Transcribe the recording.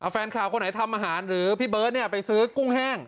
แฟนข่าวคนไหนทำอาหารหรือพี่เบิร์ตไปซื้อกุ้งแห้ง